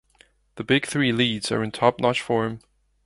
The big three leads are in top notch form.